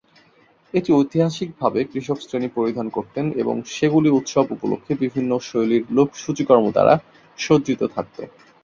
এটি ঐতিহাসিকভাবে কৃষক শ্রেণি পরিধান করতেন এবং সেগুলি উৎসব উপলক্ষে বিভিন্ন শৈলীর লোক সূচিকর্ম দ্বারা সজ্জিত থাকত।